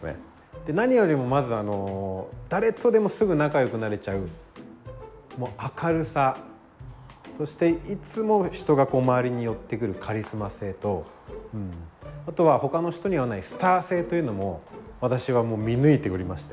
で何よりもまず誰とでもすぐ仲良くなれちゃうもう明るさそしていつも人がこう周りに寄ってくるカリスマ性とうんあとは他の人にはないスター性というのも私はもう見抜いておりまして。